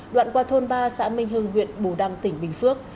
đoạn qua thôn ba xã minh hưng huyện bù đăng tỉnh bình phước